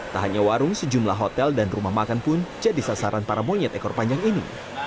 tak hanya warung sejumlah hotel dan rumah makan pun jadi sasaran para monyet ekor panjang ini